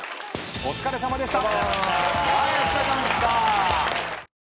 お疲れさまでした。